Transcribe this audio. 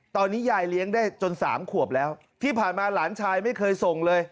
ตอนนี้ยายเลี้ยงได้จนสามขวบแล้วที่ผ่านมาหลานชายไม่เคยส่งเลย